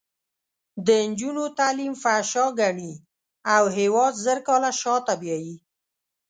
د نجونو تعلیم فحشا ګڼي او هېواد زر کاله شاته بیایي.